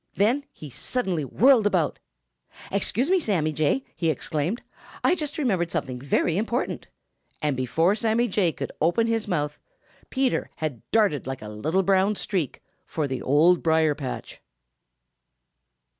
Then he suddenly whirled about. "Excuse me, Sammy Jay," he exclaimed. "I just remember something very important!" And before Sammy Jay could open his mouth, Peter had started like a little brown streak for the Old Briar patch.